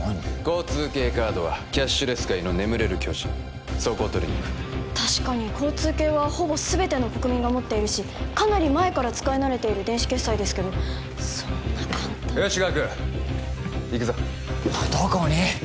交通系カードはキャッシュレス界の眠れる巨人そこを取りにいく確かに交通系はほぼ全ての国民が持っているしかなり前から使い慣れている電子決済ですけどそんな簡単によしガク行くぞどこに！？